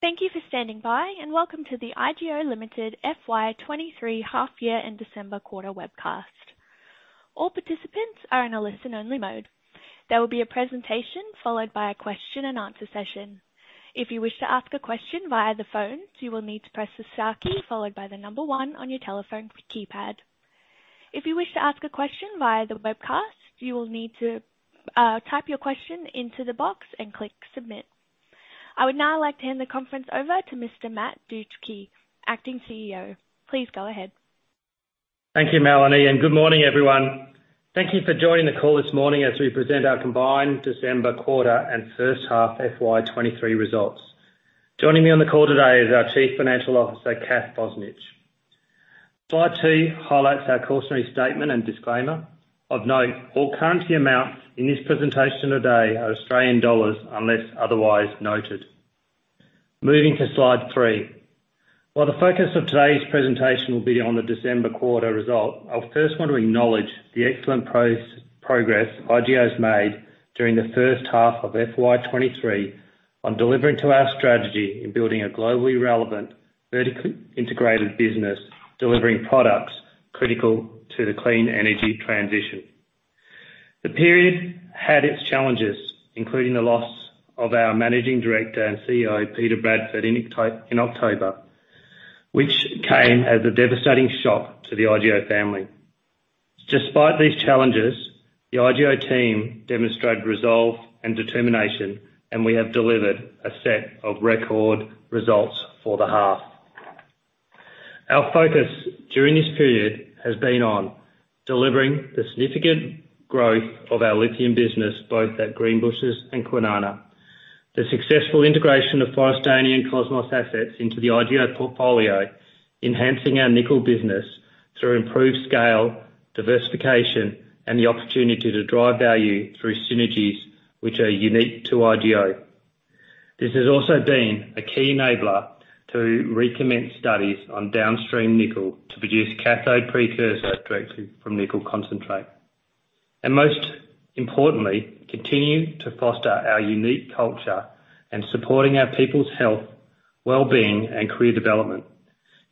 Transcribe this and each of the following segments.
Thank you for standing by, and welcome to the IGO Limited FY 2023 half year and December quarter webcast. All participants are in a listen-only mode. There will be a presentation followed by a question-and-answer session. If you wish to ask a question via the phone, you will need to press the star key followed by the one on your telephone keypad. If you wish to ask a question via the webcast, you will need to type your question into the box and click Submit. I would now like to hand the conference over to Mr. Matt Dusci, Acting CEO. Please go ahead. Thank you, Melanie, good morning, everyone. Thank you for joining the call this morning as we present our combined December quarter and first half FY 2023 results. Joining me on the call today is our Chief Financial Officer, Cath Bosnich. Slide two highlights our cautionary statement and disclaimer. Of note, all currency amounts in this presentation today are Australian dollars unless otherwise noted. Moving to slide three. While the focus of today's presentation will be on the December quarter result, I first want to acknowledge the excellent progress IGO's made during the first half of FY 2023 on delivering to our strategy in building a globally relevant, vertically integrated business, delivering products critical to the clean energy transition. The period had its challenges, including the loss of our Managing Director and CEO, Peter Bradford, in October, which came as a devastating shock to the IGO family. Despite these challenges, the IGO team demonstrated resolve and determination, and we have delivered a set of record results for the half. Our focus during this period has been on delivering the significant growth of our lithium business, both at Greenbushes and Kwinana. The successful integration of Forrestania and Cosmos assets into the IGO portfolio, enhancing our nickel business through improved scale, diversification, and the opportunity to drive value through synergies which are unique to IGO. This has also been a key enabler to recommence studies on downstream nickel to produce cathode precursor directly from nickel concentrate. Most importantly, continue to foster our unique culture and supporting our people's health, well-being, and career development.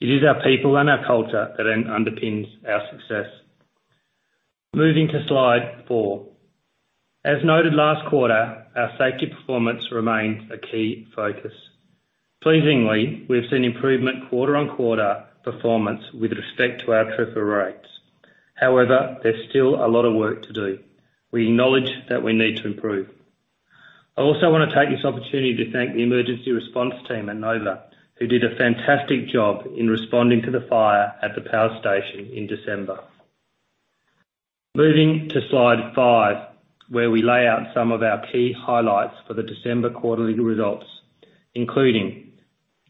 It is our people and our culture that then underpins our success. Moving to slide four. As noted last quarter, our safety performance remains a key focus. Pleasingly, we've seen improvement quarter-on-quarter performance with respect to our TRIFR rates. There's still a lot of work to do. We acknowledge that we need to improve. I also want to take this opportunity to thank the emergency response team at Nova, who did a fantastic job in responding to the fire at the power station in December. Moving to slide five, where we lay out some of our key highlights for the December quarterly results, including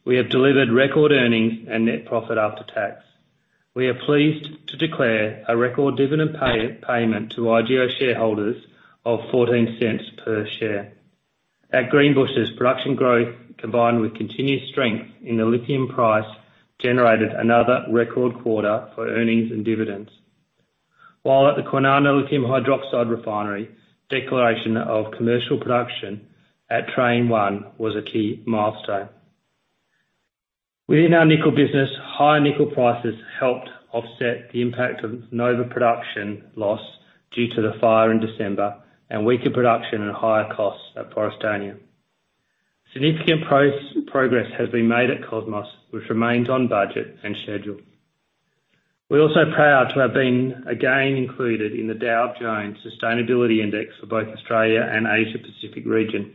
we have delivered record earnings and net profit after tax. We are pleased to declare a record dividend payment to IGO shareholders of 0.14 per share. At Greenbushes, production growth, combined with continued strength in the lithium price, generated another record quarter for earnings and dividends. At the Kwinana Lithium Hydroxide Refinery, declaration of commercial production at Train 1 was a key milestone. Within our nickel business, higher nickel prices helped offset the impact of Nova production loss due to the fire in December and weaker production and higher costs at Forrestania. Significant progress has been made at Cosmos, which remains on budget and schedule. We're also proud to have been again included in the Dow Jones Sustainability Index for both Australia and Asia Pacific region,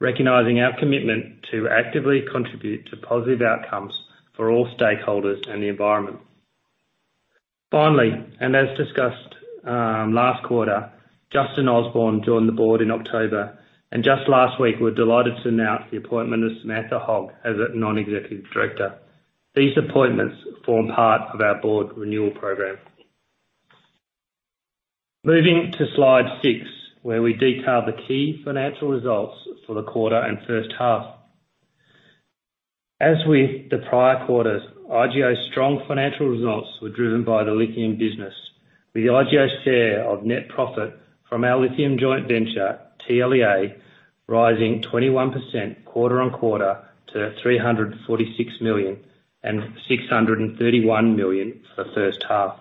recognizing our commitment to actively contribute to positive outcomes for all stakeholders and the environment. Finally, as discussed last quarter, Justin Osborne joined the board in October. Just last week, we're delighted to announce the appointment of Samantha Hogg as a non-executive director. These appointments form part of our board renewal program. Moving to slide six, where we detail the key financial results for the quarter and first half. As with the prior quarters, IGO's strong financial results were driven by the lithium business, with IGO's share of net profit from our lithium joint venture, TLEA, rising 21% quarter-on-quarter to 346 million and 631 million for the first half.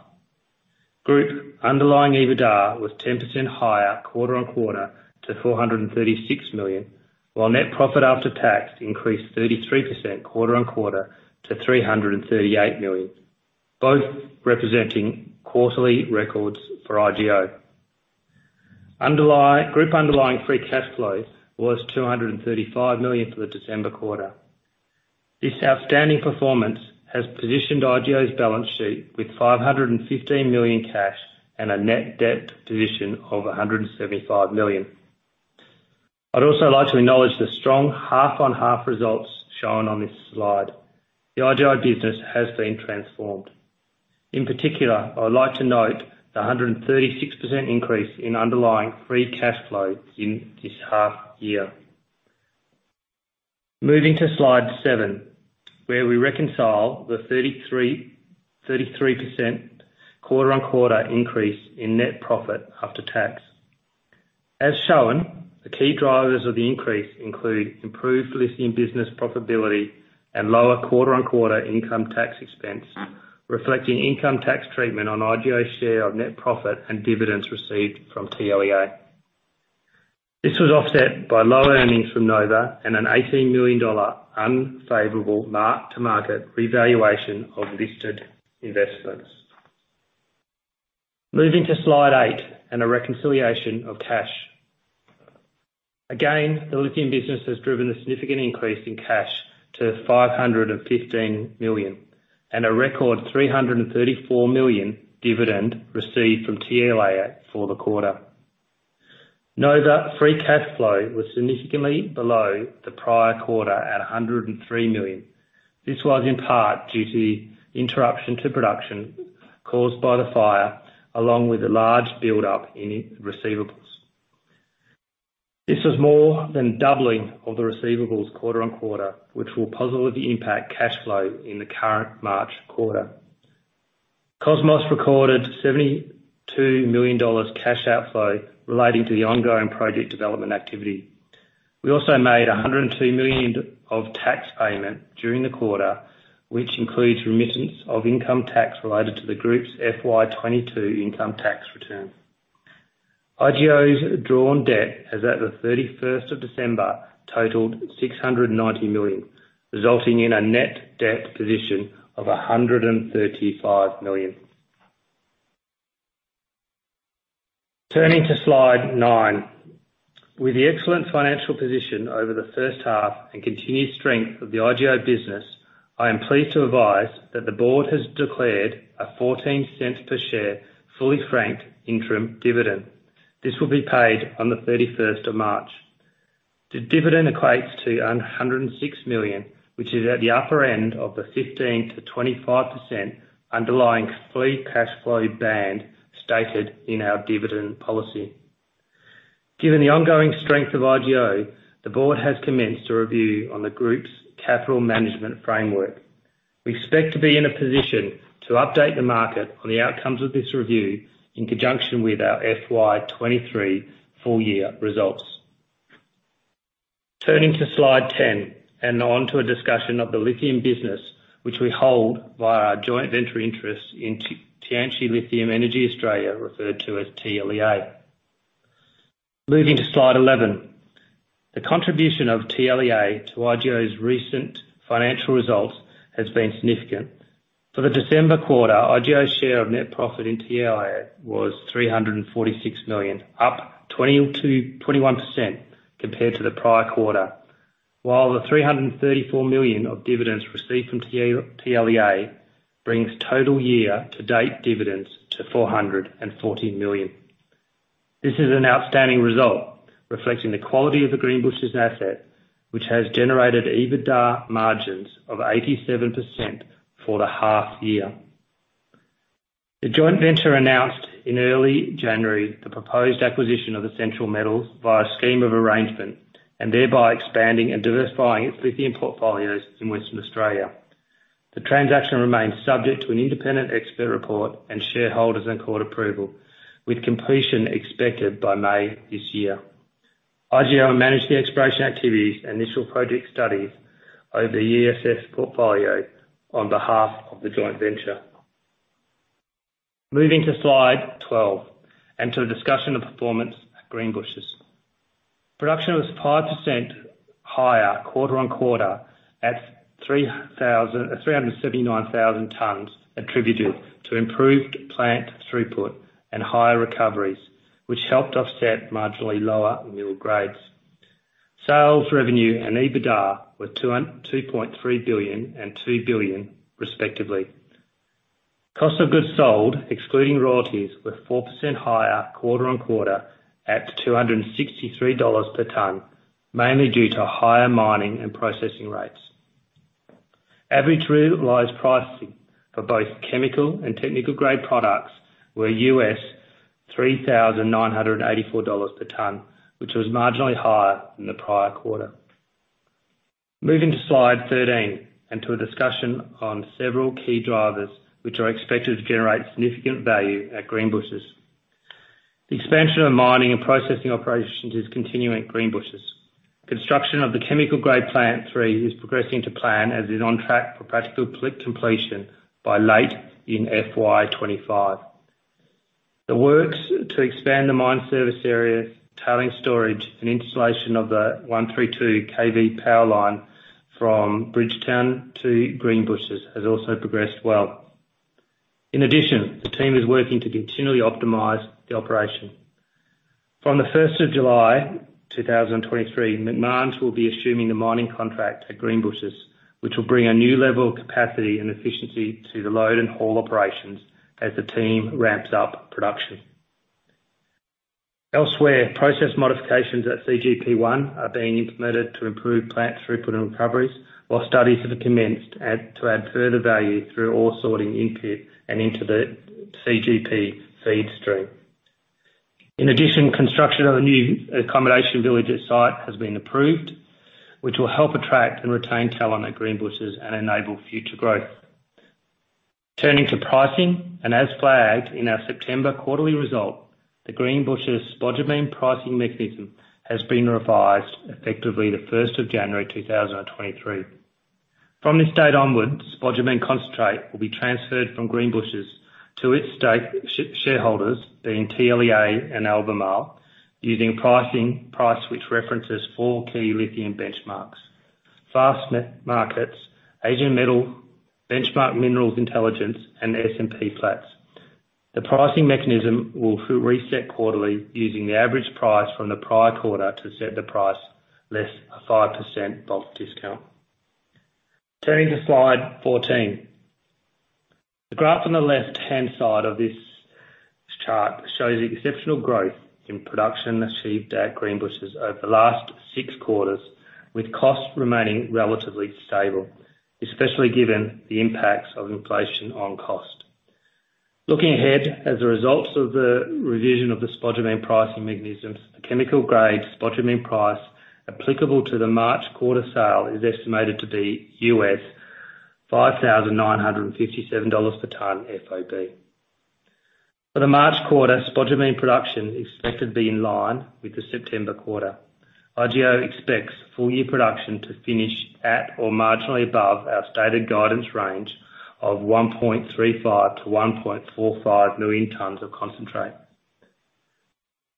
Group underlying EBITDA was 10% higher quarter-on-quarter to 436 million, while net profit after tax increased 33% quarter-on-quarter to 338 million, both representing quarterly records for IGO. Group underlying free cash flow was 235 million for the December quarter. This outstanding performance has positioned IGO's balance sheet with 515 million cash and a net debt position of 175 million. I'd also like to acknowledge the strong half-on-half results shown on this slide. The IGO business has been transformed. In particular, I would like to note the 136% increase in underlying free cash flow in this half year. Moving to slide seven, where we reconcile the 33% quarter-on-quarter increase in net profit after tax. As shown, the key drivers of the increase include improved lithium business profitability and lower quarter-on-quarter income tax expense, reflecting income tax treatment on IGO's share of net profit and dividends received from TLEA. This was offset by low earnings from Nova and an 18 million dollar unfavorable mark-to-market revaluation of listed investments. Moving to slide eight and a reconciliation of cash. Again, the lithium business has driven a significant increase in cash to 515 million, and a record 334 million dividend received from TLEA for the quarter. Nova free cash flow was significantly below the prior quarter at 103 million. This was in part due to the interruption to production caused by the fire, along with a large buildup in its receivables. This is more than doubling of the receivables quarter-on-quarter, which will positively impact cash flow in the current March quarter. Cosmos recorded AUD 72 million cash outflow relating to the ongoing project development activity. We also made AUD 102 million of tax payment during the quarter, which includes remittance of income tax related to the group's FY 2022 income tax return. IGO's drawn debt as at the December 31st, totaled 690 million, resulting in a net debt position of 135 million. Turning to slide nine. With the excellent financial position over the first half and continued strength of the IGO business, I am pleased to advise that the board has declared a 0.14 per share fully franked interim dividend. This will be paid on the March 31st. The dividend equates to 106 million, which is at the upper end of the 15%-25% underlying free cash flow band stated in our dividend policy. Given the ongoing strength of IGO, the board has commenced a review on the group's capital management framework. We expect to be in a position to update the market on the outcomes of this review in conjunction with our FY 2023 full year results. Turning to slide 10, and on to a discussion of the lithium business, which we hold via our joint venture interest in Tianqi Lithium Energy Australia, referred to as TLEA. Moving to slide 11. The contribution of TLEA to IGO's recent financial results has been significant. For the December quarter, IGO's share of net profit in TLEA was 346 million, up 20%-21% compared to the prior quarter. The 334 million of dividends received from TLEA brings total year-to-date dividends to 414 million. This is an outstanding result, reflecting the quality of the Greenbushes asset, which has generated EBITDA margins of 87% for the half year. The joint venture announced in early January the proposed acquisition of Essential Metals via a scheme of arrangement and thereby expanding and diversifying its lithium portfolios in Western Australia. The transaction remains subject to an independent expert report and shareholders and court approval, with completion expected by May this year. IGO will manage the exploration activities and initial project studies over the ESS portfolio on behalf of the joint venture. Moving to slide 12, and to a discussion of performance at Greenbushes. Production was 5% higher quarter-on-quarter at 379,000 tons, attributable to improved plant throughput and higher recoveries, which helped offset marginally lower mill grades. Sales, revenue, and EBITDA were 2.3 billion and 2 billion respectively. Cost of goods sold, excluding royalties, were 4% higher quarter-on-quarter at 263 dollars per ton, mainly due to higher mining and processing rates. Average realized pricing for both chemical and technical-grade products were $3,984 per ton, which was marginally higher than the prior quarter. Moving to slide 13 and to a discussion on several key drivers which are expected to generate significant value at Greenbushes. The expansion of mining and processing operations is continuing at Greenbushes. Construction of the Chemical Grade Plant 3 is progressing to plan as it is on track for practical completion by late in FY 2025. The works to expand the mine service areas, tailing storage, and installation of the 132 KV power line from Bridgetown to Greenbushes has also progressed well. In addition, the team is working to continually optimize the operation. From the July 1st, 2023, Macmahon will be assuming the mining contract at Greenbushes, which will bring a new level of capacity and efficiency to the load and haul operations as the team ramps up production. Elsewhere, process modifications at CGP1 are being implemented to improve plant throughput and recoveries, while studies have commenced to add further value through ore sorting in-pit and into the CGP feed stream. In addition, construction of a new accommodation village's site has been approved, which will help attract and retain talent at Greenbushes and enable future growth. Turning to pricing, as flagged in our September quarterly result, the Greenbushes spodumene pricing mechanism has been revised effectively January 1st, 2023. From this date onwards, spodumene concentrate will be transferred from Greenbushes to its stakeholders, being TLEA and Albemarle, using price which references four key lithium benchmarks, Fastmarkets, Asian Metal, Benchmark Mineral Intelligence, and [Platts]. The pricing mechanism will reset quarterly using the average price from the prior quarter to set the price less a 5% bulk discount. Turning to slide 14. The graph on the left-hand side of this chart shows the exceptional growth in production achieved at Greenbushes over the last six quarters, with costs remaining relatively stable, especially given the impacts of inflation on cost. Looking ahead, as a result of the revision of the spodumene pricing mechanisms, the chemical grade spodumene price applicable to the March quarter sale is estimated to be $5,957 per ton FOB. For the March quarter, spodumene production is expected to be in line with the September quarter. IGO expects full-year production to finish at or marginally above our stated guidance range of 1.35 million-1.45 million tons of concentrate.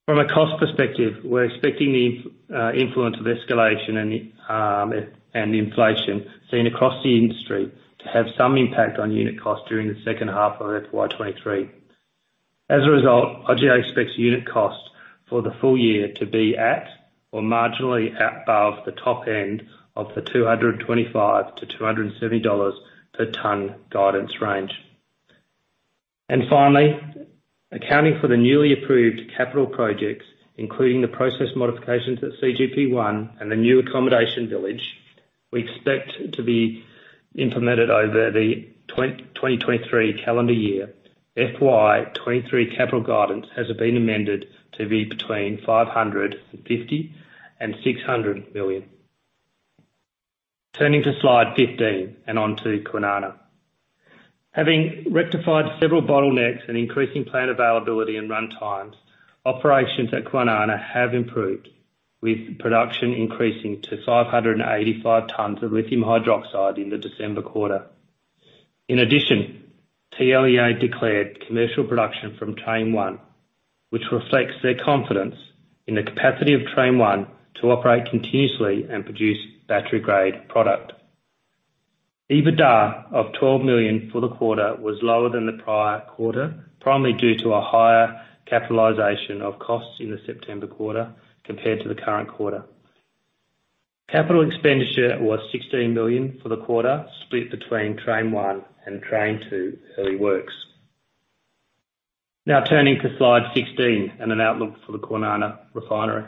From a cost perspective, we're expecting the influence of escalation and inflation seen across the industry to have some impact on unit cost during the second half of FY 2023. As a result, IGO expects unit cost for the full year to be at or marginally above the top end of the 225-270 dollars per ton guidance range. Finally, accounting for the newly approved capital projects, including the process modifications at CGP1 and the new accommodation village, we expect to be implemented over the 2023 calendar year. FY 2023 capital guidance has been amended to be between 550 million and 600 million. Turning to slide 15 and onto Kwinana. Having rectified several bottlenecks and increasing plant availability and run times, operations at Kwinana have improved, with production increasing to 585 tons of lithium hydroxide in the December quarter. In addition, TLEA declared commercial production from Train 1, which reflects their confidence in the capacity of Train 1 to operate continuously and produce battery-grade product. EBITDA of 12 million for the quarter was lower than the prior quarter, primarily due to a higher capitalization of costs in the September quarter compared to the current quarter. Capital expenditure was 16 million for the quarter, split between Train 1 and Train 2 early works. Now turning to slide 16 and an outlook for the Kwinana refinery.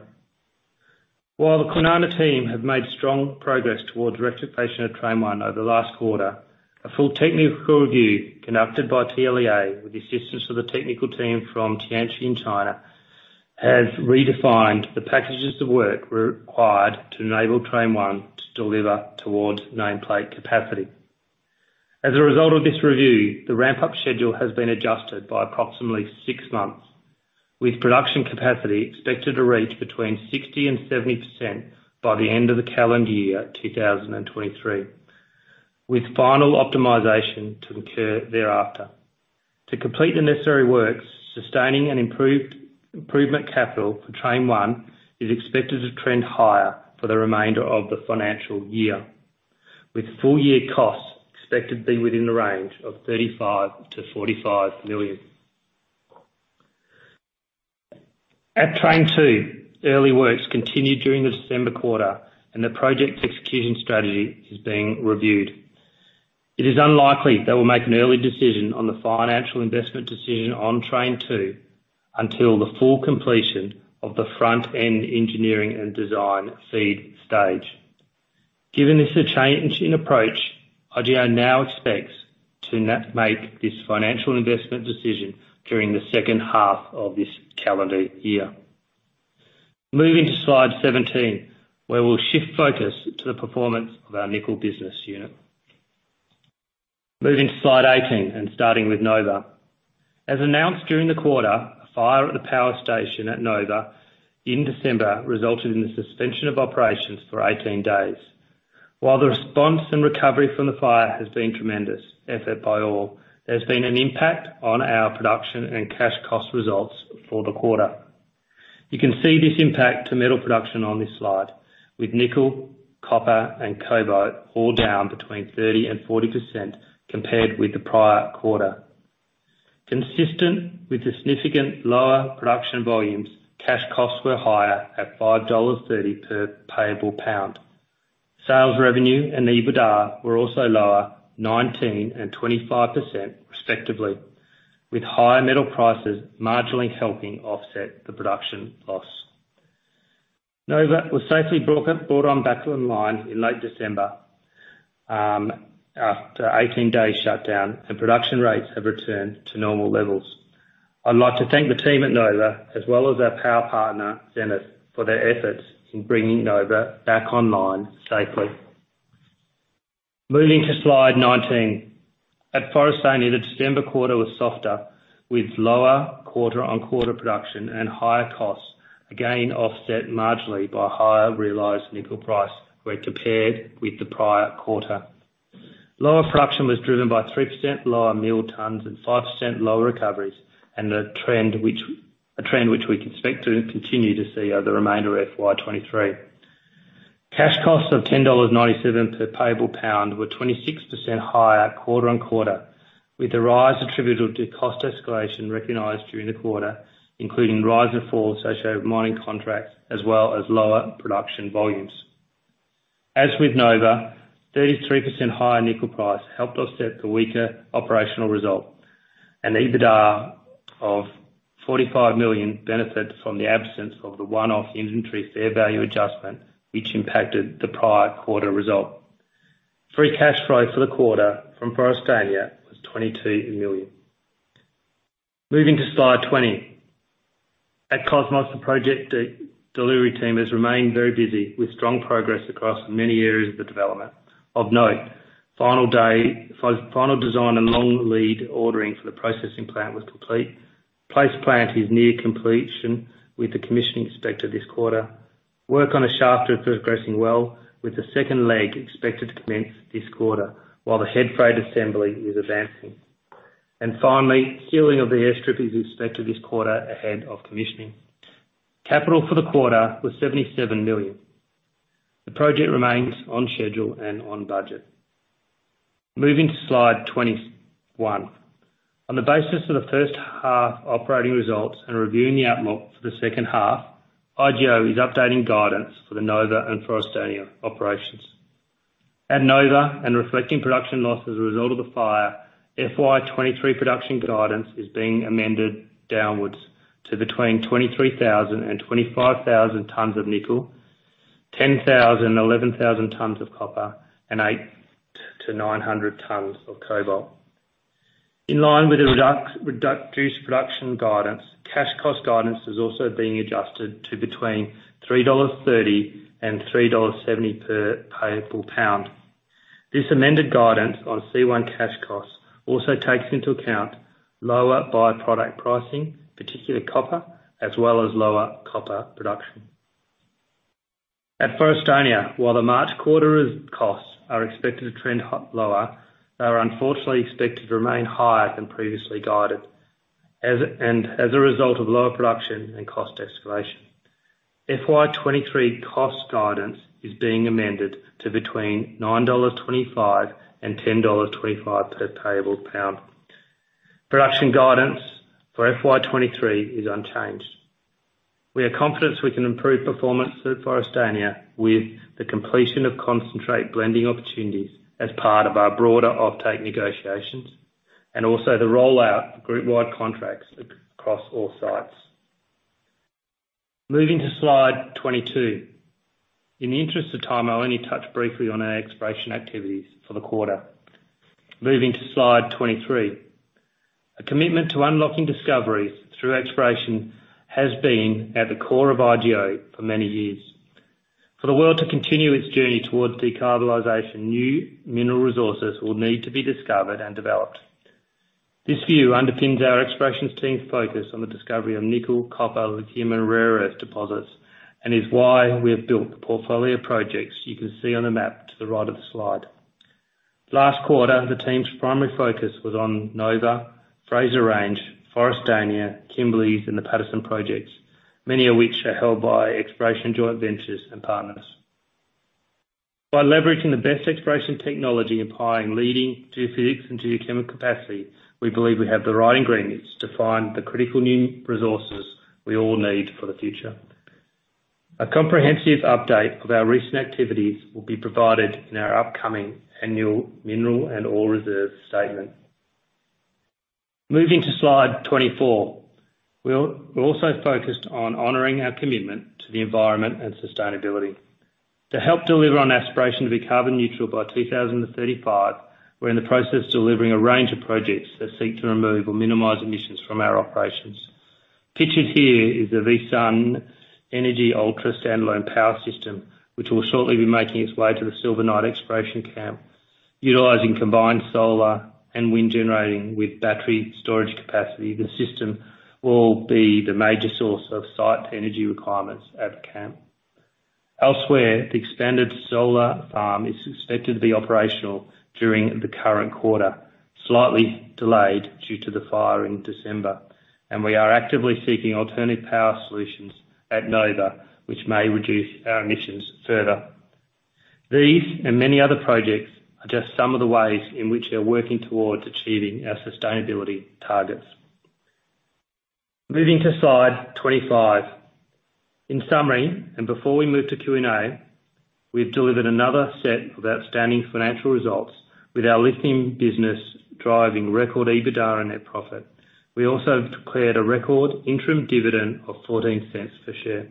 While the Kwinana team have made strong progress towards rectification of train one over the last quarter, a full technical review conducted by TLEA with the assistance of the technical team from Tianqi in China, has redefined the packages of work required to enable train one to deliver towards nameplate capacity. As a result of this review, the ramp-up schedule has been adjusted by approximately six months, with production capacity expected to reach between 60% and 70% by the end of the calendar year 2023, with final optimization to occur thereafter. To complete the necessary works, sustaining and improvement capital for Train 1 is expected to trend higher for the remainder of the financial year, with full-year costs expected to be within the range of 35 million-45 million. At Train 2, early works continued during the December quarter and the project's execution strategy is being reviewed. It is unlikely they will make an early decision on the financial investment decision on Train 2 until the full completion of the front-end engineering and design feed stage. Given this change in approach, IGO now expects to make this financial investment decision during the second half of this calendar year. Moving to slide 17, where we'll shift focus to the performance of our nickel business unit. Moving to slide 18 and starting with Nova. As announced during the quarter, a fire at the power station at Nova in December resulted in the suspension of operations for 18 days. While the response and recovery from the fire has been tremendous, effort by all, there's been an impact on our production and cash cost results for the quarter. You can see this impact to metal production on this slide with nickel, copper and cobalt all down between 30% and 40% compared with the prior quarter. Consistent with significant lower production volumes, cash costs were higher at 5.30 dollars per payable pound. Sales revenue and EBITDA were also lower 19% and 25% respectively, with higher metal prices marginally helping offset the production loss. Nova was safely brought on back online in late December, after 18 days shutdown, and production rates have returned to normal levels. I'd like to thank the team at Nova, as well as our power partner, Zenith, for their efforts in bringing Nova back online safely. Moving to slide 19. At Forrestania, the December quarter was softer, with lower quarter-on-quarter production and higher costs, again offset marginally by higher realized nickel price where compared with the prior quarter. Lower production was driven by 3% lower mill tons and 5% lower recoveries, a trend which we can expect to continue to see over the remainder of FY 2023. Cash costs of 10.97 dollars per payable pound were 26% higher quarter-on-quarter, with the rise attributable to cost escalation recognized during the quarter, including rise and fall associated with mining contracts as well as lower production volumes. As with Nova, 33% higher nickel price helped offset the weaker operational result, and EBITDA of 45 million benefited from the absence of the one-off inventory fair value adjustment, which impacted the prior quarter result. Free cash flow for the quarter from Forrestania was 22 million. Moving to slide 20. At Cosmos, the project de-delivery team has remained very busy with strong progress across many areas of the development. Of note, final design and long lead ordering for the processing plant was complete. Place plant is near completion with the commissioning expected this quarter. Work on a shaft is progressing well, with the second leg expected to commence this quarter while the head freight assembly is advancing. Finally, sealing of the airstrip is expected this quarter ahead of commissioning. Capital for the quarter was AUD 77 million. The project remains on schedule and on budget. Moving to slide 21. On the basis of the first half operating results and reviewing the outlook for the second half, IGO is updating guidance for the Nova and Forrestania operations. At Nova, and reflecting production loss as a result of the fire, FY 2023 production guidance is being amended downwards to between 23,000 and 25,000 tons of nickel, 10,000-11,000 tons of copper, and 800-900 tons of cobalt. In line with the reduced production guidance, cash cost guidance is also being adjusted to between $3.30 and $3.70 per payable pound. This amended guidance on C1 cash costs also takes into account lower by-product pricing, particularly copper, as well as lower copper production. At Forrestania, while the March quarter's costs are expected to trend lower, they are unfortunately expected to remain higher than previously guided as a result of lower production and cost escalation. FY 2023 cost guidance is being amended to between $9.25 and $10.25 per payable pound. Production guidance for FY 2023 is unchanged. We are confident we can improve performance at Forrestania with the completion of concentrate blending opportunities as part of our broader offtake negotiations and also the rollout of groupwide contracts across all sites. Moving to slide 22. In the interest of time, I'll only touch briefly on our exploration activities for the quarter. Moving to slide 23. A commitment to unlocking discoveries through exploration has been at the core of IGO for many years. For the world to continue its journey towards decarbonization, new mineral resources will need to be discovered and developed. This view underpins our explorations team's focus on the discovery of nickel, copper, lithium, and rare earth deposits and is why we have built the portfolio of projects you can see on the map to the right of the slide. Last quarter, the team's primary focus was on Nova, Fraser Range, Forrestania, Kimberleys, and the Paterson projects, many of which are held by exploration joint ventures and partners. By leveraging the best exploration technology, applying leading geophysics and geochemical capacity, we believe we have the right ingredients to find the critical new resources we all need for the future. A comprehensive update of our recent activities will be provided in our upcoming annual mineral and oil reserves statement. Moving to slide 24. We're also focused on honoring our commitment to the environment and sustainability. To help deliver on our aspiration to be carbon neutral by 2035, we're in the process of delivering a range of projects that seek to remove or minimize emissions from our operations. Pictured here is the VSUN Energy Ultra Standalone Power System, which will shortly be making its way to the Silver Knight exploration camp. Utilizing combined solar and wind generating with battery storage capacity, the system will be the major source of site energy requirements at camp. Elsewhere, the expanded solar farm is expected to be operational during the current quarter, slightly delayed due to the fire in December. We are actively seeking alternative power solutions at Nova which may reduce our emissions further. These and many other projects are just some of the ways in which we are working towards achieving our sustainability targets. Moving to slide 25. In summary, before we move to Q&A. We've delivered another set of outstanding financial results with our lithium business driving record EBITDA and net profit. We also declared a record interim dividend of 0.14 per share.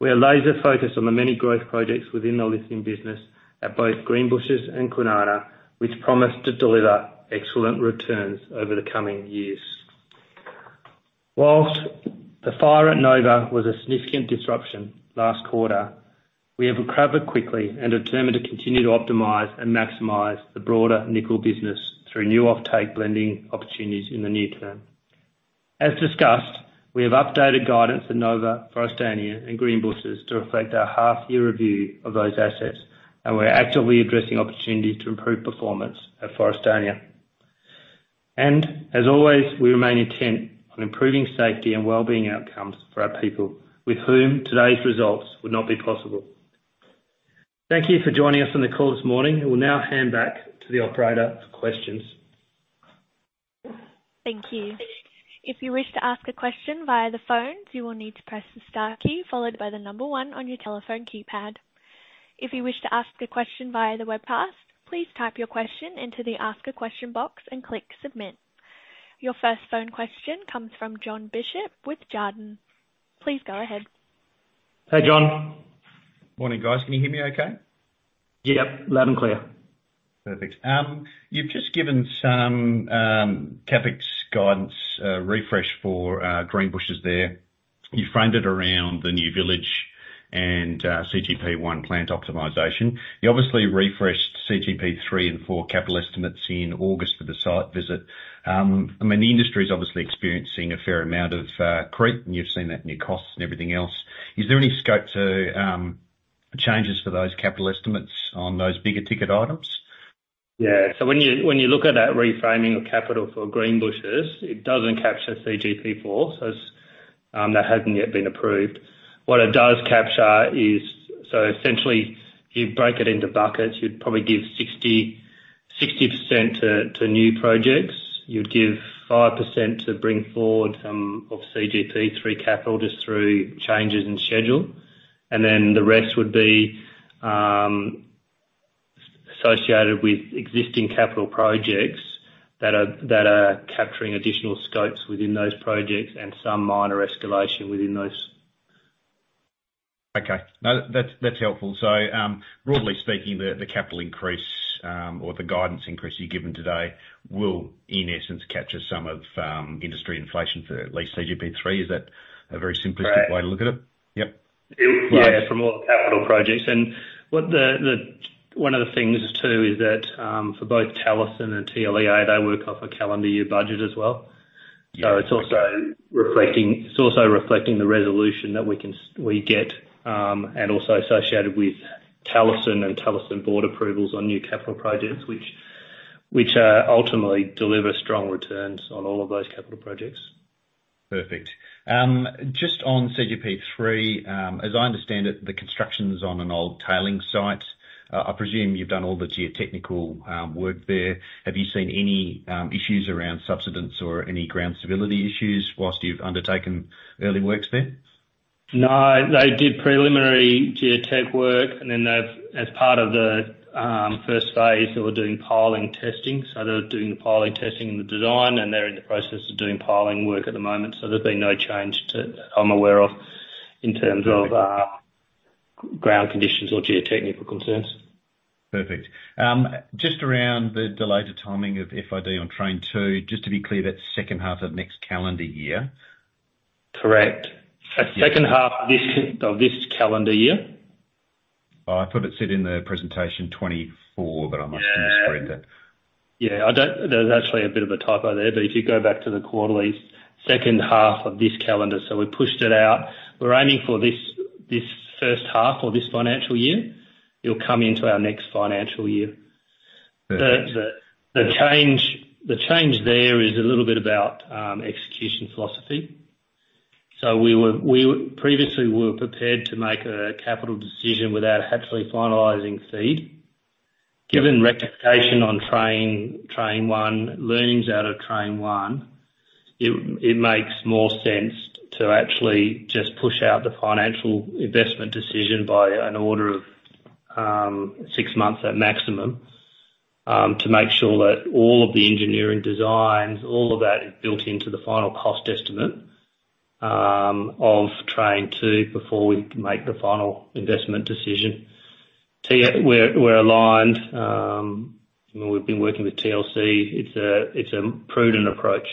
We are laser focused on the many growth projects within the lithium business at both Greenbushes and Kwinana, which promise to deliver excellent returns over the coming years. Whilst the fire at Nova was a significant disruption last quarter, we have recovered quickly and are determined to continue to optimize and maximize the broader nickel business through new offtake blending opportunities in the near-term. As discussed, we have updated guidance at Nova, Forrestania, and Greenbushes to reflect our half-year review of those assets, we're actively addressing opportunities to improve performance at Forrestania. As always, we remain intent on improving safety and well-being outcomes for our people with whom today's results would not be possible. Thank you for joining us on the call this morning. I will now hand back to the operator for questions. Thank you. If you wish to ask a question via the phone, you will need to press the star key followed by one on your telephone keypad. If you wish to ask a question via the webcast, please type your question into the Ask-a-Question box and click Submit. Your first phone question comes from Jon Bishop with Jarden. Please go ahead. Hey, Jon. Morning, guys. Can you hear me okay? Yep, loud and clear. Perfect. You've just given some CapEx guidance refresh for Greenbushes there. You framed it around the new village and CGP1 plant optimization. You obviously refreshed CGP3 and 4 capital estimates in August for the site visit. I mean, the industry is obviously experiencing a fair amount of creep, and you've seen that in your costs and everything else. Is there any scope to changes for those capital estimates on those bigger ticket items? Yeah. When you look at that reframing of capital for Greenbushes, it doesn't capture CGP4 as that hasn't yet been approved. What it does capture is. Essentially, you break it into buckets. You'd probably give 60% to new projects. You'd give 5% to bring forward some of CGP3 capital just through changes in schedule. The rest would be associated with existing capital projects that are capturing additional scopes within those projects and some minor escalation within those. Okay. No, that's helpful. Broadly speaking, the capital increase, or the guidance increase you've given today will, in essence, capture some of industry inflation for at least CGP3. Is that a very simplistic way to look at it? Yeah, from all the capital projects. One of the things too is that, for both Talison and TLEA, they work off a calendar year budget as well. It's also reflecting the resolution that we get, and also associated with Talison and Talison board approvals on new capital projects, which ultimately deliver strong returns on all of those capital projects. Perfect. Just on CGP3, as I understand it, the construction's on an old tailing site. I presume you've done all the geotechnical work there. Have you seen any issues around subsidence or any ground stability issues whilst you've undertaken early works there? They did preliminary geotech work, and then they've as part of the first phase, they were doing piling testing. They're doing the piling testing and the design, and they're in the process of doing piling work at the moment. There's been no change to I'm aware of in terms of ground conditions or geotechnical concerns. Perfect. just around the delayed timing of FID on Train 2, just to be clear, that's second half of next calendar year? Correct. Second half of this calendar year. I thought it said in the presentation 2024, but I must have misread that. Yeah. There's actually a bit of a typo there. If you go back to the quarterly second half of this calendar, we pushed it out. We're aiming for this first half or this financial year. It'll come into our next financial year. The change there is a little bit about execution philosophy. We previously were prepared to make a capital decision without actually finalizing FEED. Given rectification on Train 1, learnings out of Train 1, it makes more sense to actually just push out the financial investment decision by an order of six months at maximum, to make sure that all of the engineering designs, all of that is built into the final cost estimate of Train 2 before we make the final investment decision. We're aligned. We've been working with TLC. It's a prudent approach.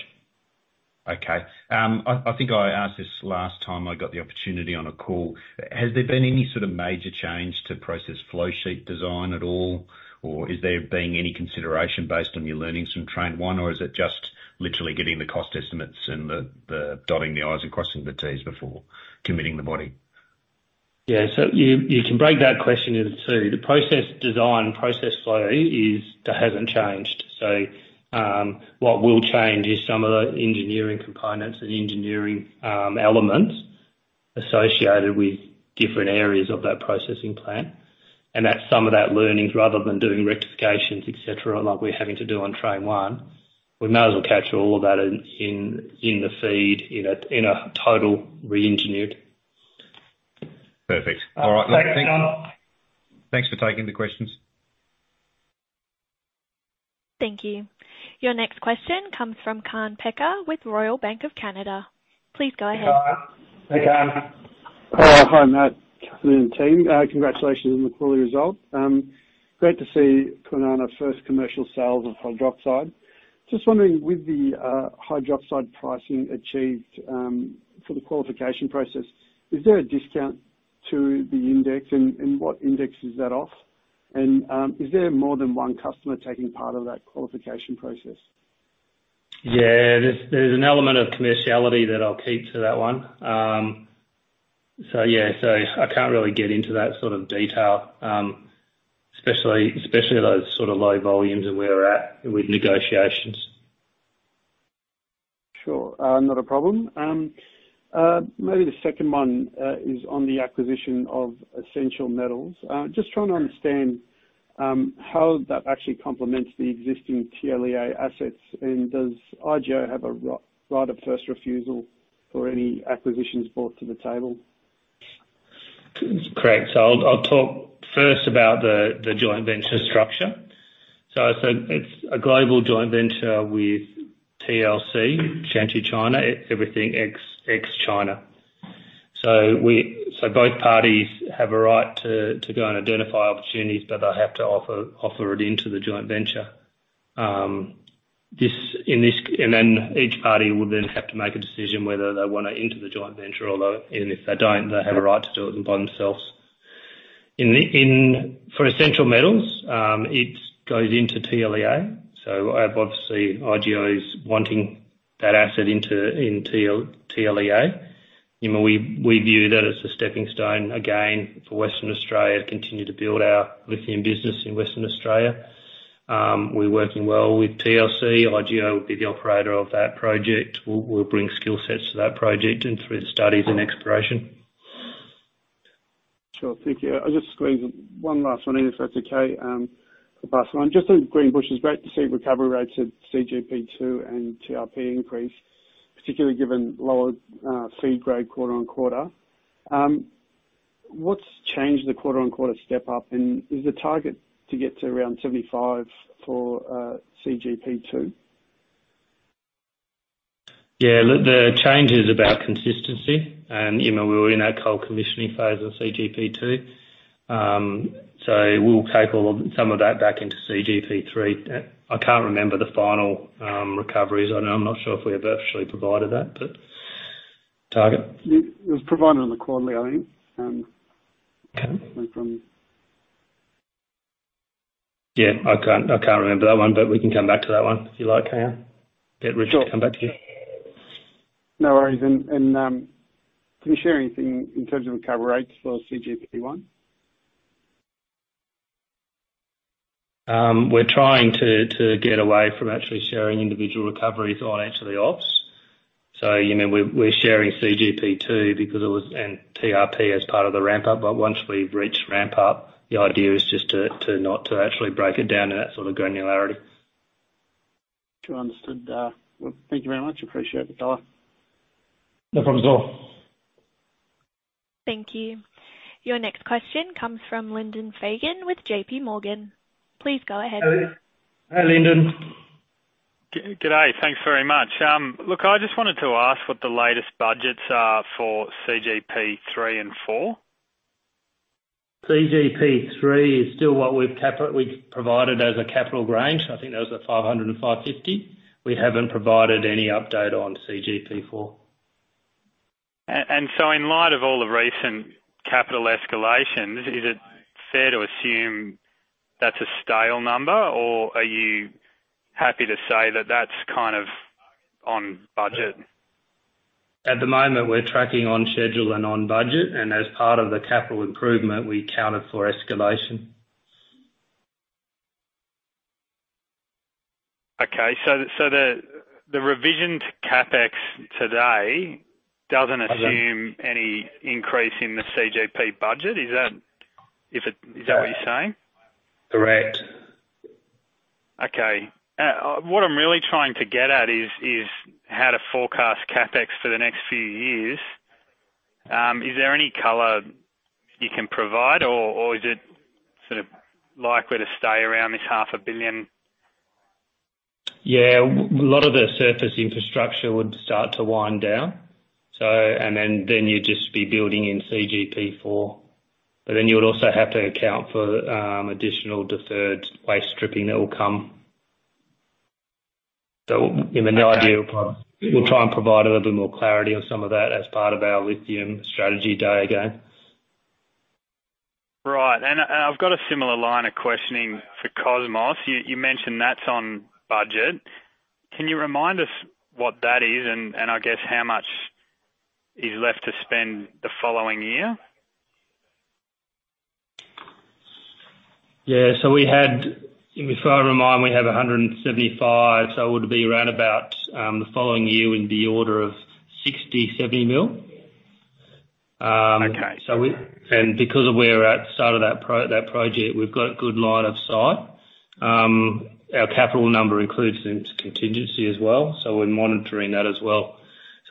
Okay. I think I asked this last time I got the opportunity on a call. Has there been any sort of major change to process flow sheet design at all? Is there been any consideration based on your learnings from Train 1? Is it just literally getting the cost estimates and the dotting the I's and crossing the T's before committing the body? Yeah. You can break that question into two. The process design, process flow hasn't changed. What will change is some of the engineering components and engineering elements associated with different areas of that processing plant. That's some of that learning, rather than doing rectifications, et cetera, like we're having to do on Train 1. We might as well capture all of that in the FEED, in a total re-engineered. Perfect. All right. Thanks, Jon. Thanks for taking the questions. Thank you. Your next question comes from Kaan Peker with Royal Bank of Canada. Please go ahead. Hey, Kaan. Hi, Matt and team. Congratulations on the quarterly result. Great to see Kwinana's first commercial sales of hydroxide. Just wondering, with the hydroxide pricing achieved for the qualification process, is there a discount to the index? What index is that off? Is there more than one customer taking part of that qualification process? Yeah, there's an element of commerciality that I'll keep to that one. Yeah, so I can't really get into that sort of detail, especially those sort of low volumes of where we're at with negotiations. Sure. Not a problem. Maybe the second one is on the acquisition of Essential Metals. Just trying to understand how that actually complements the existing TLEA assets. Does IGO have a right of first refusal for any acquisitions brought to the table? Correct. I'll talk first about the joint venture structure. I said it's a global joint venture with TLC, Tianqi China. Everything ex-China. Both parties have a right to go and identify opportunities, but they'll have to offer it into the joint venture. Each party will then have to make a decision whether they want it into the joint venture or though. If they don't, they have a right to do it by themselves. For Essential Metals, it goes into TLEA. Obviously IGO's wanting that asset in TLEA. You know, we view that as a stepping stone again for Western Australia to continue to build our lithium business in Western Australia. We're working well with TLC. IGO will be the operator of that project. We'll bring skill sets to that project and through the studies and exploration. Sure. Thank you. I'll just squeeze one last one in, if that's okay. The last one. Just on Greenbushes. Great to see recovery rates at CGP2 and TRP increase, particularly given lower feed grade quarter-on-quarter. What's changed the quarter-on-quarter step up, and is the target to get to around 75% for CGP2? Yeah. Look, the change is about consistency and, you know, we were in our cold commissioning phase of CGP2. We'll take some of that back into CGP3. I can't remember the final recoveries. I'm not sure if we have actually provided that, but target. It was provided on the quarterly. Yeah, I can't remember that one, but we can come back to that one if you like, Kaan. Get Richard to come back to you. No worries. Can you share anything in terms of recovery rates for CGP1? We're trying to get away from actually sharing individual recoveries on actually ops. You know, we're sharing CGP2 because it was, and TRP as part of the ramp up. Once we've reached ramp up, the idea is just to not to actually break it down to that sort of granularity. Sure. Understood. Well, thank you very much. Appreciate the call. No problems at all. Thank you. Your next question comes from Lyndon Fagan with J.P. Morgan. Please go ahead. Hi, Lyndon. Good day. Thanks very much. Look, I just wanted to ask what the latest budgets are for CGP3 and 4? CGP3 is still what we've provided as a capital range. I think that was at 500-550. We haven't provided any update on CGP4. In light of all the recent capital escalations, is it fair to assume that's a stale number, or are you happy to say that that's kind of on budget? At the moment we're tracking on schedule and on budget, and as part of the capital improvement, we accounted for escalation. The revision to CapEx today doesn't assume any increase in the CGP budget. Is that what you're saying? Correct. Okay. What I'm really trying to get at is how to forecast CapEx for the next few years. Is there any color you can provide or is it sort of likely to stay around this 500 million? Yeah. A lot of the surface infrastructure would start to wind down. Then you'd just be building in CGP4. You would also have to account for additional deferred waste stripping that will come. You know, the idea of providing. We'll try and provide a little bit more clarity on some of that as part of our Lithium Strategy Day, again. Right. I've got a similar line of questioning for Cosmos. You mentioned that's on budget. Can you remind us what that is and I guess how much is left to spend the following year? Yeah. If I remind, we have 175 million. It would be around about, the following year in the order of 60 million-70 million. We and because of where we're at start of that project, we've got good line of sight. Our capital number includes contingency as well, so we're monitoring that as well.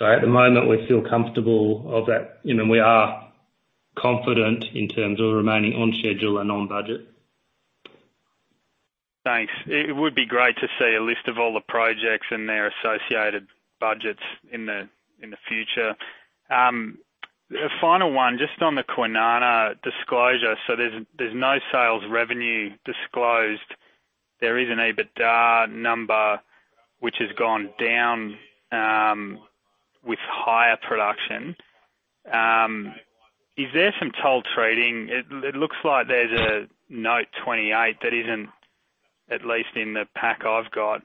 At the moment, we feel comfortable of that. You know, we are confident in terms of remaining on schedule and on budget. Thanks. It would be great to see a list of all the projects and their associated budgets in the future. A final one, just on the Kwinana disclosure. There's no sales revenue disclosed. There is an EBITDA number which has gone down with higher production. Is there some toll trading? It looks like there's a note 28 that isn't at least in the pack I've got.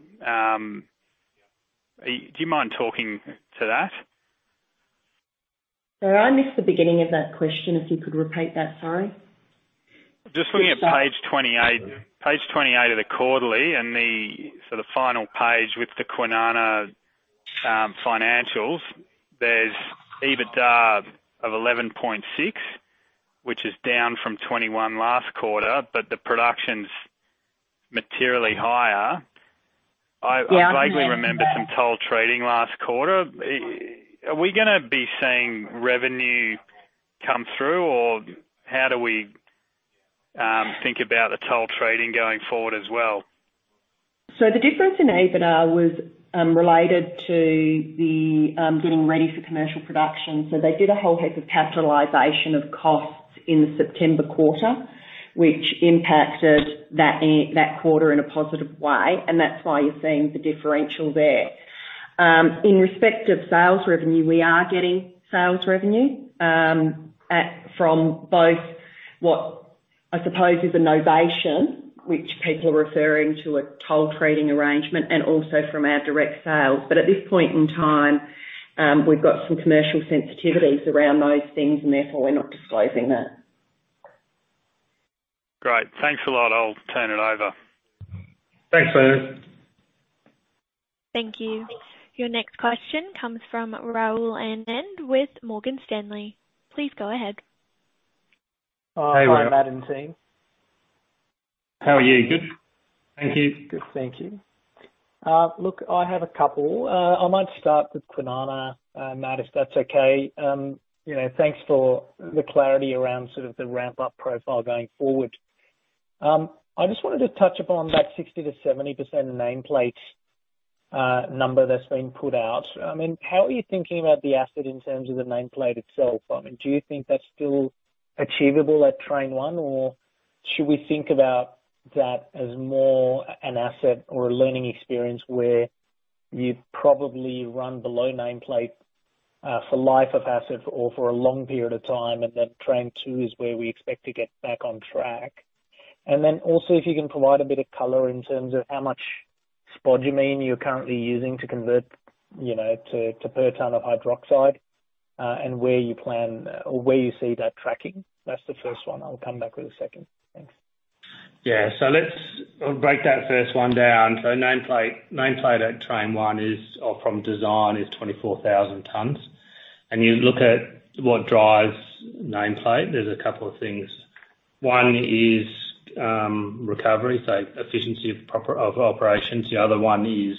Do you mind talking to that? Sorry, I missed the beginning of that question. If you could repeat that, sorry. Just looking at page 28. Page 28 of the quarterly and the sort of final page with the Kwinana financials. There's EBITDA of 11.6 million, which is down from 21 million last quarter, but the production's materially higher. I vaguely remember some toll trading last quarter. Are we going to be seeing revenue come through, or how do we think about the toll trading going forward as well? The difference in EBITDA was related to the getting ready for commercial production. They did a whole heap of capitalization of costs in the September quarter, which impacted that quarter in a positive way, and that's why you're seeing the differential there. In respect of sales revenue, we are getting sales revenue at, from both what I suppose is a novation, which people are referring to a toll trading arrangement and also from our direct sales. At this point in time, we've got some commercial sensitivities around those things and therefore we're not disclosing that. Great. Thanks a lot. I'll turn it over. Thanks, Lyndon. Thank you. Your next question comes from Rahul Anand with Morgan Stanley. Please go ahead. Hey, Rahul. Hi, Matt and team. How are you? Good. Thank you. Good. Thank you. Look, I have a couple. I might start with Kwinana, Matt, if that's okay. You know, thanks for the clarity around sort of the ramp up profile going forward. I just wanted to touch upon that 60%-70% nameplate number that's been put out. I mean, how are you thinking about the asset in terms of the nameplate itself? I mean, do you think that's still achievable at Train 1 or should we think about that as more an asset or a learning experience where you'd probably run below nameplate for life of asset or for a long period of time, and then Train 2 is where we expect to get back on track? Also if you can provide a bit of color in terms of how much spodumene you're currently using to convert, you know, to per ton of lithium hydroxide, and where you plan or where you see that tracking. That's the first one. I'll come back with a second. Thanks. Yeah. Let's break that first one down. Nameplate at train one is or from design is 24,000 tons. You look at what drives nameplate, there's a couple of things. One is recovery, so efficiency of operations. The other one is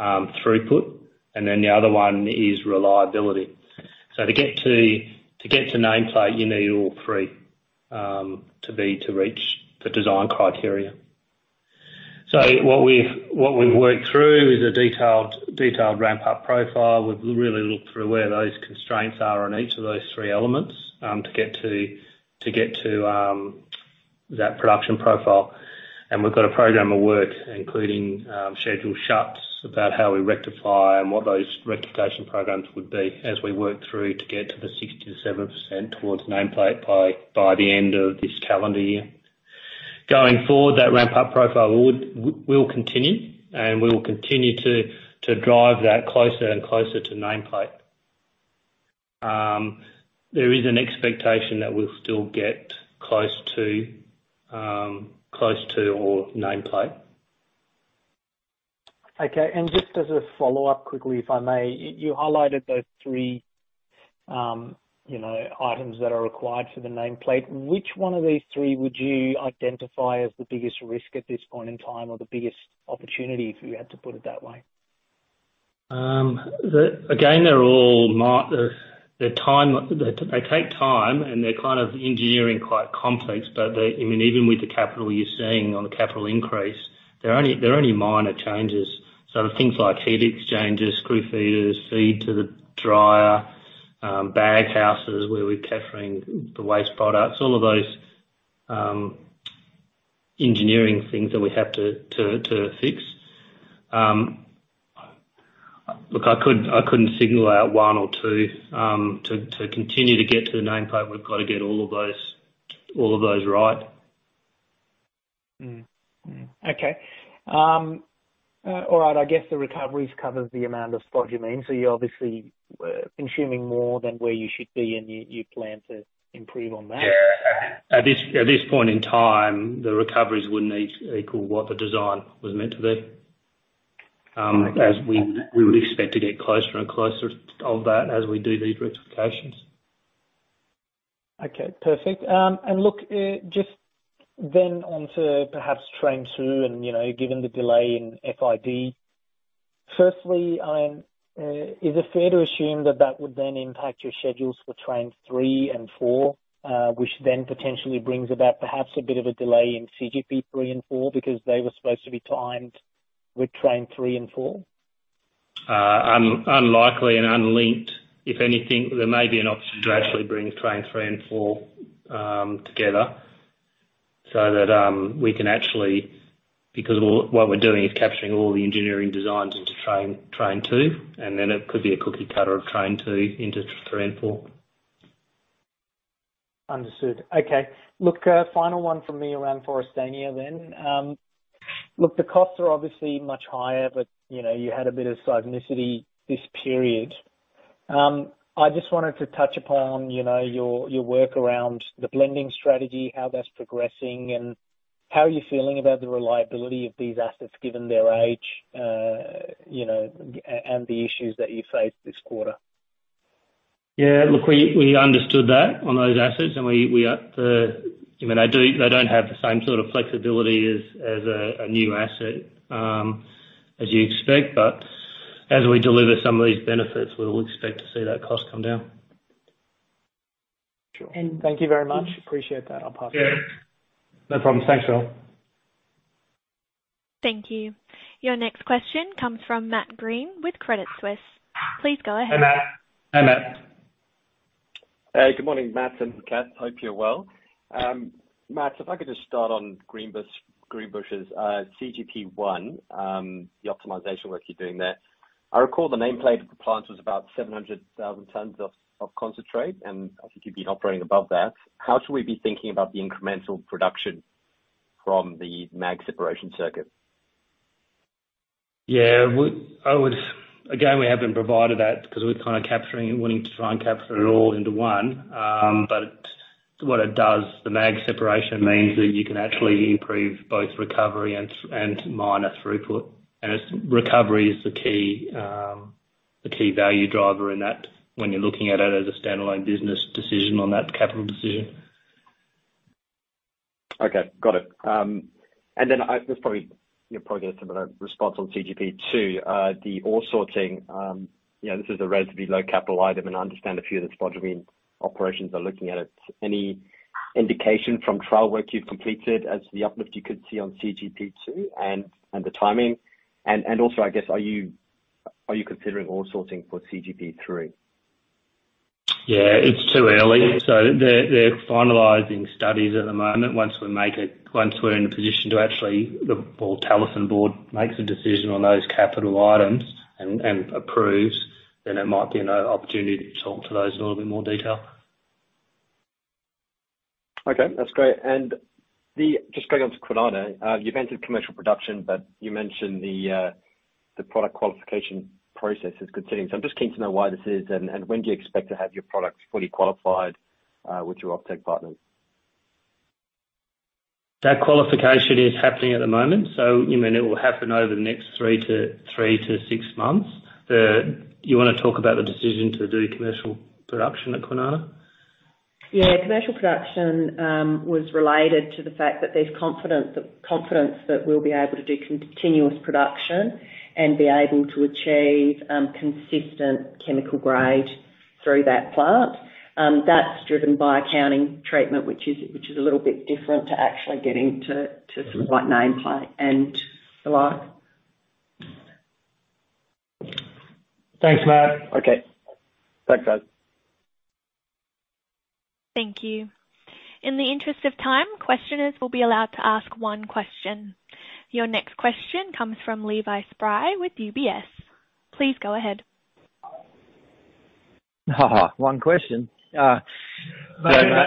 throughput, and then the other one is reliability. To get to nameplate, you need all three to reach the design criteria. What we've worked through is a detailed ramp-up profile. We've really looked through where those constraints are on each of those three elements to get to that production profile. We've got a program of work, including, scheduled shuts about how we rectify and what those rectification programs would be as we work through to get to the 60%-70% towards nameplate by the end of this calendar year. Going forward, that ramp-up profile will continue, and we will continue to drive that closer and closer to nameplate. There is an expectation that we'll still get close to or nameplate. Okay. Just as a follow-up quickly, if I may. You highlighted those three, you know, items that are required for the nameplate. Which one of these three would you identify as the biggest risk at this point in time or the biggest opportunity, if you had to put it that way? Again, they're kind of engineering quite complex. They, I mean, even with the capital you're seeing on the capital increase, they're only minor changes. Things like heat exchangers, screw feeders, feed to the dryer, baghouses where we're capturing the waste products, all of those engineering things that we have to fix. Look, I couldn't single out one or two. To continue to get to the nameplate, we've got to get all of those right. Okay. All right. I guess the recoveries covers the amount of spodumene, so you're obviously consuming more than where you should be and you plan to improve on that. Yeah. At this point in time, the recoveries wouldn't equal what the design was meant to be. As we would expect to get closer and closer of that as we do these rectifications. Okay, perfect. Look, just then on to perhaps train two and, you know, given the delay in FID. Is it fair to assume that that would then impact your schedules for train three and four, which then potentially brings about perhaps a bit of a delay in CGP3 and 4 because they were supposed to be timed with Train 3 and 4? Unlikely and unlinked. If anything, there may be an option to actually bring Train 3 and 4 together so that what we're doing is capturing all the engineering designs into Train 2, and then it could be a cookie cutter of Train 2 into 3 and 4. Understood. Okay. Look, final one from me around Forestania then. Look, the costs are obviously much higher, but, you know, you had a bit of seismicity this period. I just wanted to touch upon, you know, your work around the blending strategy, how that's progressing, and how are you feeling about the reliability of these assets given their age, you know, and the issues that you faced this quarter? Yeah. Look, we understood that on those assets and we are, you know, they don't have the same sort of flexibility as a new asset, as you expect. As we deliver some of these benefits, we'll expect to see that cost come down. Sure. Thank you very much. Appreciate that. I'll pass on. Yeah. No problems. Thanks, Rahul. Thank you. Your next question comes from Matt Green with Credit Suisse. Please go ahead. Hey, Matt. Hey, good morning, Matt and Cath. Hope you're well. Matt, if I could just start on Greenbushes, CGP1, the optimization work you're doing there. I recall the nameplate compliance was about 700,000 tons of concentrate, and I think you've been operating above that. How should we be thinking about the incremental production from the mag separation circuit? Yeah. Again, we haven't provided that because we're kind of capturing and wanting to try and capture it all into one. What it does, the mag separation means that you can actually improve both recovery and miner throughput. It's recovery is the key value driver in that when you're looking at it as a standalone business decision on that capital decision. Okay, got it. This probably, you'll probably get a similar response on CGP2. The ore sorting, you know, this is a relatively low capital item, and I understand a few of the spodumene operations are looking at it. Any indication from trial work you've completed as to the uplift you could see on CGP2 and the timing? I guess, are you considering ore sorting for CGP3? Yeah, it's too early. They're finalizing studies at the moment. Once we're in a position to actually. The Talison board makes a decision on those capital items and approves, there might be an opportunity to talk to those in a little bit more detail. Okay, that's great. Just going on to Kwinana, you've entered commercial production, but you mentioned the product qualification process is continuing. I'm just keen to know why this is and when do you expect to have your products fully qualified with your offtake partners? That qualification is happening at the moment. You mean it will happen over the next three to six months. Do you want to talk about the decision to do commercial production at Kwinana? Commercial production was related to the fact that there's confidence that we'll be able to do continuous production and be able to achieve consistent chemical grade through that plant. That's driven by accounting treatment, which is a little bit different to actually getting to sort of like nameplate and the like. Thanks, Matt. Okay. Thanks, guys. Thank you. In the interest of time, questioners will be allowed to ask one question. Your next question comes from Levi Spry with UBS. Please go ahead. One question? No, Levi.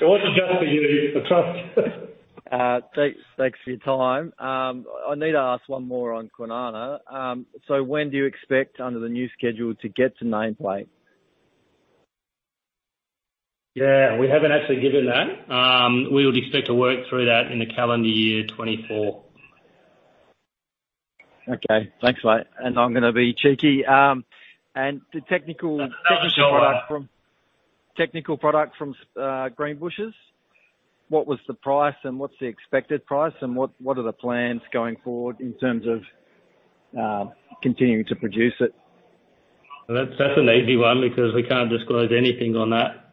It wasn't just for you. Thanks for your time. I need to ask one more on Kwinana. When do you expect under the new schedule to get to nameplate? We haven't actually given that. We would expect to work through that in the calendar year 2024. Okay. Thanks, mate. I'm going to be cheeky. The technical product from Greenbushes, what was the price and what's the expected price and what are the plans going forward in terms of continuing to produce it? That's an easy one because we can't disclose anything on that.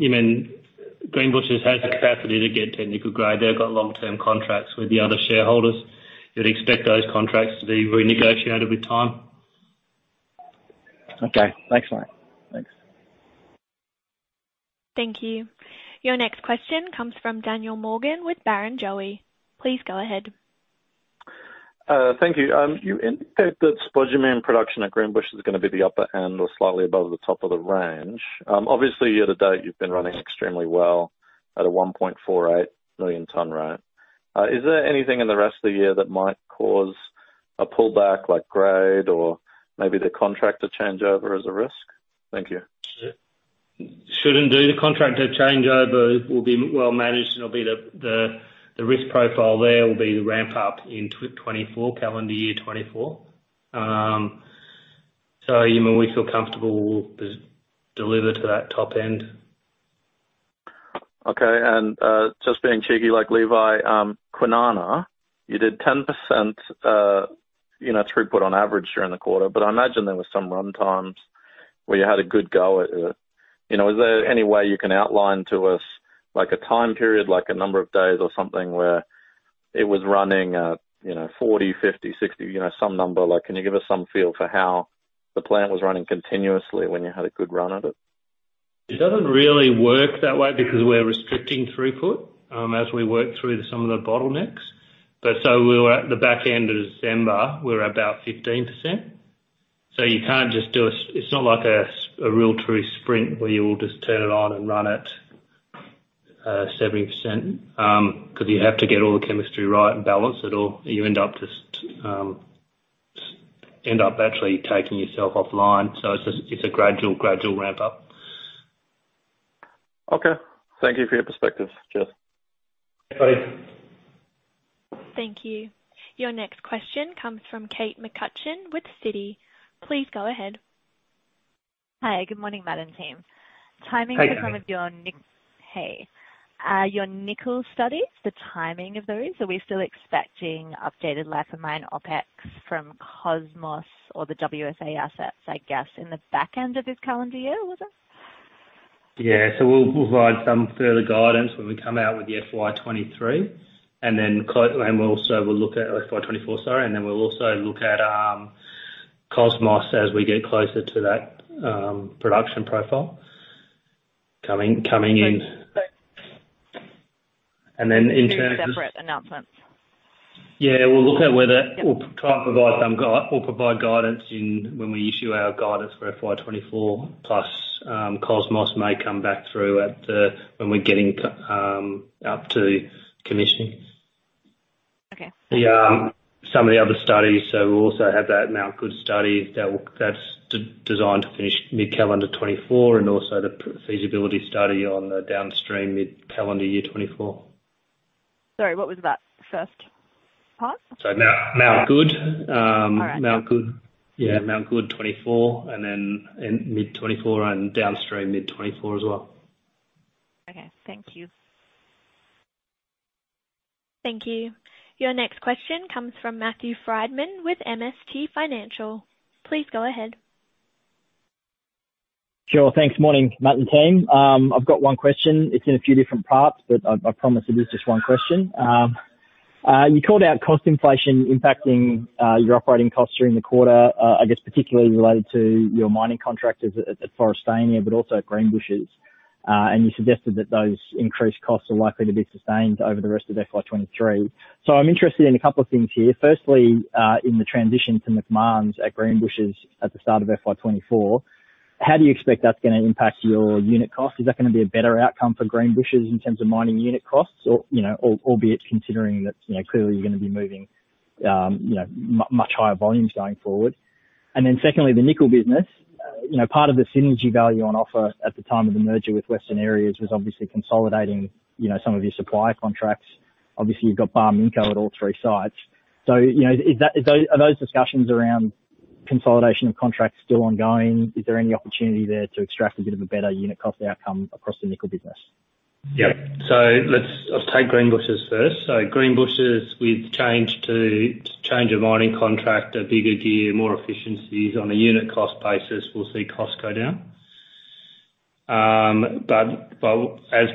You mean, Greenbushes has the capacity to get technical grade. They've got long-term contracts with the other shareholders. You'd expect those contracts to be renegotiated with time. Okay. Thanks, mate. Thanks. Thank you. Your next question comes from Daniel Morgan with Barrenjoey. Please go ahead. Thank you. You indicated that spodumene production at Greenbushes is going to be the upper end or slightly above the top of the range. Obviously, year to date, you've been running extremely well at a 1.48 million ton rate. Is there anything in the rest of the year that might cause a pullback like grade or maybe the contractor changeover as a risk? Thank you. Shouldn't do. The contract changeover will be well managed and it'll be the risk profile there will be the ramp up in 2024, calendar year 2024. You know, we feel comfortable we'll deliver to that top end. Okay. Just being cheeky like Levi, Kwinana, you did 10%, you know, throughput on average during the quarter, but I imagine there were some run times where you had a good go at it. You know, is there any way you can outline to us like a time period, like a number of days or something, where it was running at, you know, 40%, 50%, 60%, you know, some number? Like, can you give us some feel for how the plant was running continuously when you had a good run at it? It doesn't really work that way because we're restricting throughput as we work through some of the bottlenecks. We were at the back end of December, we were about 15%. It's not like a real true sprint where you will just turn it on and run at 70% because you have to get all the chemistry right and balance it all or you end up just end up actually taking yourself offline. It's just a gradual ramp up. Okay. Thank you for your perspective. Cheers. Thanks. Thank you. Your next question comes from Kate McCutcheon with Citi. Please go ahead. Hi, good morning, Matt and team. Hey, Kate. Timing of some of your, hey, your nickel studies, the timing of those. Are we still expecting updated life of mine OpEx from Cosmos or the WSA assets, I guess, in the back end of this calendar year, was it? Yeah. we'll provide some further guidance when we come out with the FY 2023, we'll also will look at, FY 2024, sorry, we'll also look at Cosmos as we get closer to that production profile coming in. Two separate announcements? Yeah. We'll provide guidance when we issue our guidance for FY 2024 plus, Cosmos may come back through when we're getting up to commissioning. Some of the other studies, we also have that Mount Goode study that's designed to finish mid-calendar 2024, and also the feasibility study on the downstream mid-calendar year 2024. Sorry, what was that first part? Mount Goode. Yeah, Mount Goode 2024 and then in mid-2024 and downstream mid-2024 as well. Okay. Thank you. Thank you. Your next question comes from Matthew Frydman with MST Financial. Please go ahead. Sure. Thanks. Morning, Matt and team. I've got one question. It's in a few different parts, but I promise it is just one question. You called out cost inflation impacting your operating costs during the quarter, I guess particularly related to your mining contractors at Forestania, but also at Greenbushes. You suggested that those increased costs are likely to be sustained over the rest of FY 2023. I'm interested in a couple of things here. Firstly, in the transition to Macmahon at Greenbushes at the start of FY 2024, how do you expect that's going to impact your unit cost? Is that going to be a better outcome for Greenbushes in terms of mining unit costs or, you know, or albeit considering that, you know, clearly you're going to be moving much higher volumes going forward. Secondly, the nickel business. You know, part of the synergy value on offer at the time of the merger with Western Areas was obviously consolidating, you know, some of your supply contracts. Obviously, you've got Barminco at all three sites. You know, are those discussions around consolidation of contracts still ongoing? Is there any opportunity there to extract a bit of a better unit cost outcome across the nickel business? Let's take Greenbushes first. Greenbushes we've changed to change of mining contractor, bigger gear, more efficiencies. On a unit cost basis, we'll see costs go down. As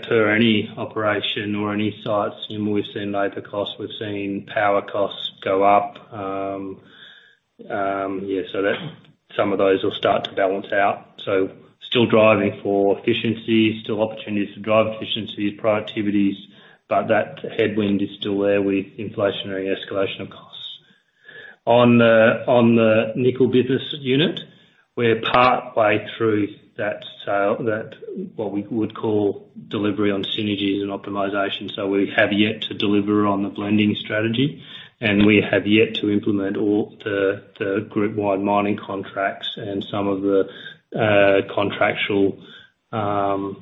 per any operation or any sites, you know, we've seen labor costs, we've seen power costs go up. That some of those will start to balance out. Still driving for efficiency, still opportunities to drive efficiencies, productivities, but that headwind is still there with inflationary escalation of costs. On the nickel business unit, we're partway through that sale, what we would call delivery on synergies and optimization. We have yet to deliver on the blending strategy. We have yet to implement all the group wide mining contracts and some of the contractual synergies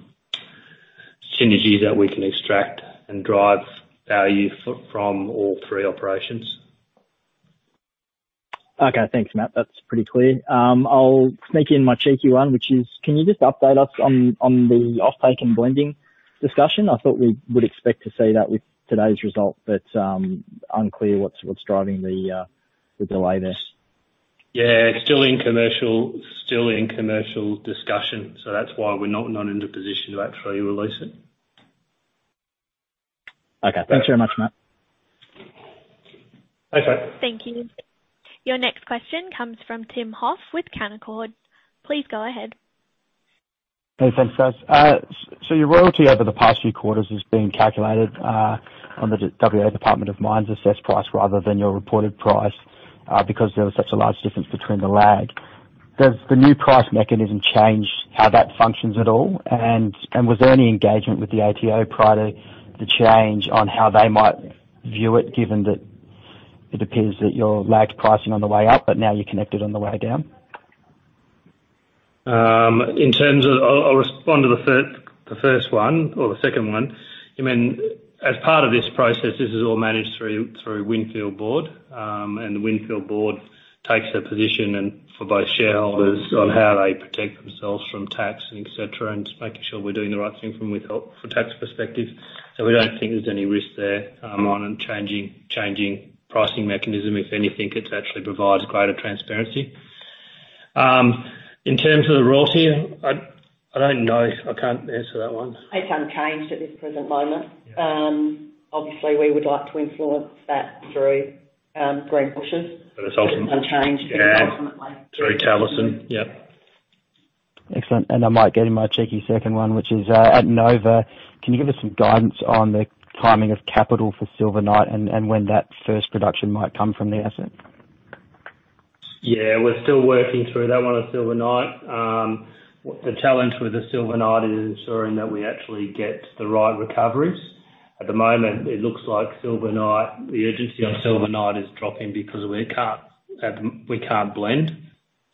that we can extract and drive value from all three operations. Thanks, Matt. That's pretty clear. I'll sneak in my cheeky one, which is, can you just update us on the offtake and blending discussion? I thought we would expect to see that with today's result, but, unclear what's driving the delay there. Yeah. It's still in commercial discussion, that's why we're not in a position to actually release it. Okay. Thanks very much, Matt. No sweat. Thank you. Your next question comes from Tim Hoff with Canaccord. Please go ahead. Hey, thanks guys. Your royalty over the past few quarters has been calculated on the WA Department of Mines assessed price rather than your reported price because there was such a large difference between the lag. Does the new price mechanism change how that functions at all? Was there any engagement with the ATO prior to the change on how they might view it given that. It appears that you're lagged pricing on the way up, but now you're connected on the way down. I'll respond to the first one or the second one. I mean, as part of this process, this is all managed through Windfield Board. The Windfield Board takes a position for both shareholders on how they protect themselves from tax and etc., and just making sure we're doing the right thing from a tax perspective. We don't think there's any risk there on changing pricing mechanism. If anything, it actually provides greater transparency. In terms of the royalty, I don't know. I can't answer that one. It's unchanged at this present moment. Obviously we would like to influence that through Greenbushes. The consultants? It's unchanged ultimately. Yeah. Through Talison. Yep. Excellent. I might get in my cheeky second one, which is, at Nova, can you give us some guidance on the timing of capital for Silver Knight and when that first production might come from the asset? Yeah. We're still working through that one at Sillimanite. The challenge with the Sillimanite is ensuring that we actually get the right recoveries. At the moment, it looks like Sillimanite, the urgency of Sillimanite is dropping because we can't blend,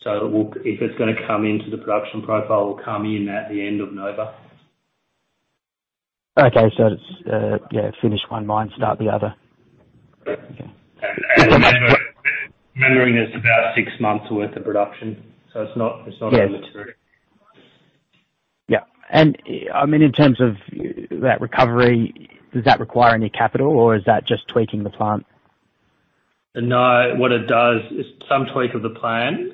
so if it's going to come into the production profile, it will come in at the end of Nova. Okay. It's, yeah, finish one mine, start the other. Remembering there's about six months worth of production, so it's not. Yeah. I mean, in terms of that recovery, does that require any capital or is that just tweaking the plant? What it does is some tweak of the plan.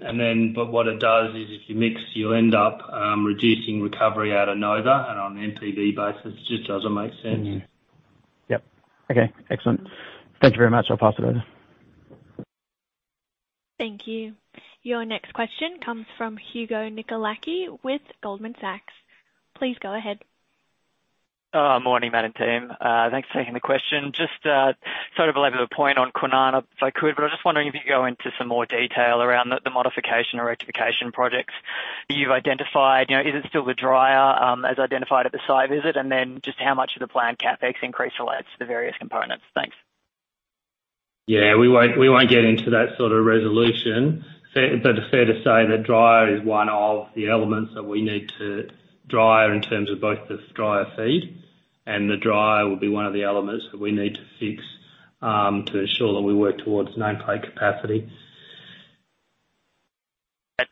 What it does is if you mix, you'll end up, reducing recovery out of Nova and on an NPV basis, it just doesn't make sense. Yep. Okay, excellent. Thank you very much. I'll pass it over. Thank you. Your next question comes from Hugo Nicolaci with Goldman Sachs. Please go ahead. Morning, management team. Thanks for taking the question. Just sort of level the point on Kwinana, if I could, but I was just wondering if you could go into some more detail around the modification or rectification projects you've identified. You know, is it still the dryer as identified at the site visit? Just how much of the planned CapEx increase relates to the various components? Thanks. Yeah. We won't get into that sort of resolution. Fair, but fair to say that dryer in terms of both the dryer feed and the dryer will be one of the elements that we need to fix to ensure that we work towards nameplate capacity.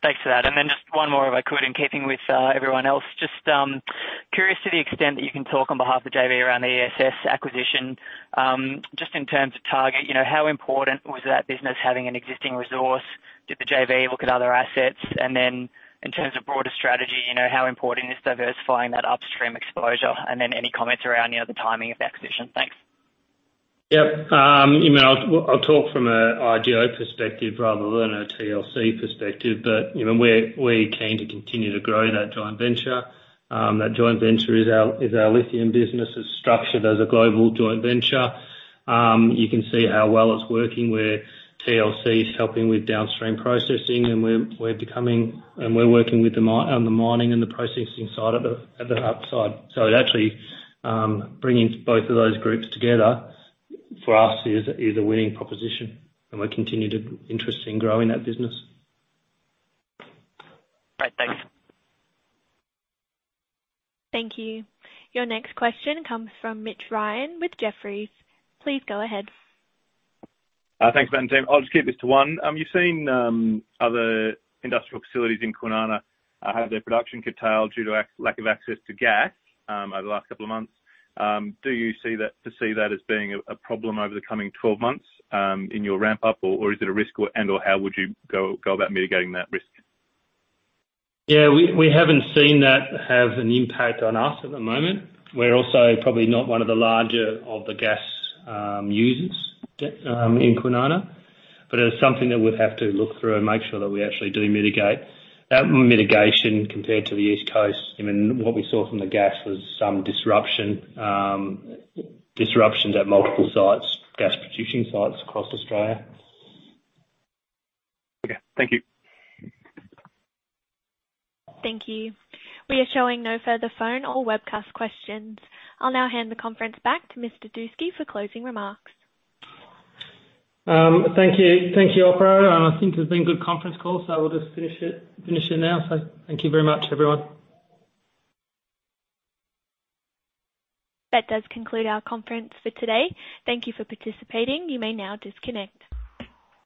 Thanks for that. Just one more, if I could, in keeping with everyone else. Just curious to the extent that you can talk on behalf of JV around the ESS acquisition, just in terms of target. You know, how important was that business having an existing resource? Did the JV look at other assets? In terms of broader strategy, you know, how important is diversifying that upstream exposure? Any comments around, you know, the timing of the acquisition. Thanks. Yep. You know, I'll talk from an IGO perspective rather than a TLC perspective. You know, we're keen to continue to grow that joint venture. That joint venture is our lithium business. It's structured as a global joint venture. You can see how well it's working where TLC is helping with downstream processing, and we're working on the mining and the processing side of the upside. It actually bringing both of those groups together for us is a winning proposition, and we're continue to interest in growing that business. Great. Thanks. Thank you. Your next question comes from Mitch Ryan with Jefferies. Please go ahead. Thanks, management team. I'll just keep this to one. You've seen other industrial facilities in Kwinana have their production curtailed due to lack of access to gas over the last couple of months. Do you foresee that as being a problem over the coming 12 months in your ramp up, or is it a risk and or how would you go about mitigating that risk? Yeah, we haven't seen that have an impact on us at the moment. We're also probably not one of the larger of the gas users in Kwinana. It's something that we'd have to look through and make sure that we actually do mitigate. That mitigation compared to the East Coast, I mean, what we saw from the gas was some disruptions at multiple sites, gas producing sites across Australia. Okay. Thank you. Thank you. We are showing no further phone or webcast questions. I'll now hand the conference back to Mr. Dusci for closing remarks. Thank you. Thank you, Operator. I think it's been a good conference call, so we'll just finish it now. Thank you very much, everyone. That does conclude our conference for today. Thank you for participating. You may now disconnect.